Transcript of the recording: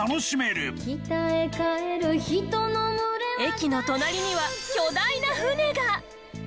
駅の隣には巨大な船が。